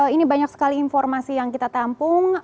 ini banyak sekali informasi yang kita tampung